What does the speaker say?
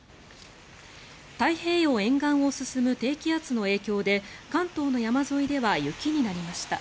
太平洋沿岸を進む低気圧の影響で関東の山沿いでは雪になりました。